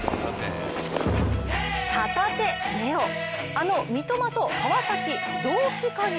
旗手怜央、あの三笘と川崎同期加入。